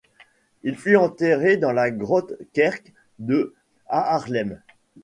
Il fut enterré dans la Grote Kerk de Haarlem.